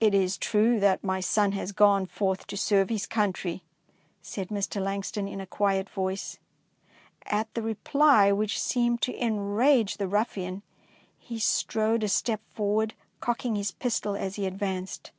''It is true that my son has gone forth to serve his country, said Mr. Langston, in a quiet voice. At the reply, which seemed to enrage the ruffian, he strode a step forward, cocking his pistol as he advanced.